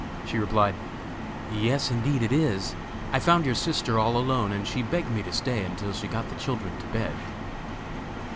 She replied: "Yes indeed it is! I found your sister all alone, and she begged me to stay until she got the children in bed."